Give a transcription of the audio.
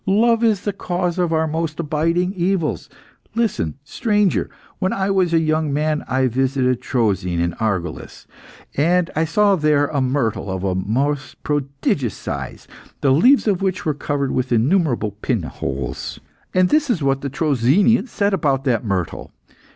Love is the cause of our most biting evils. Listen, stranger. When I was a young man I visited Troezene, in Argolis, and I saw there a myrtle of a most prodigious size, the leaves of which were covered with innumerable pinholes. And this is what the Troezenians say about that myrtle.